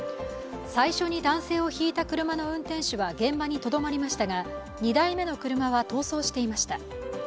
最初に男性をひいた車の運転手は現場にとどまりましたが２代目の車は逃走していました。